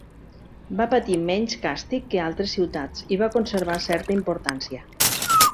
Va patir menys càstig que altres ciutats i va conservar certa importància.